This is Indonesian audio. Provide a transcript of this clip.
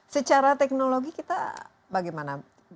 secara teknologi kita bagaimana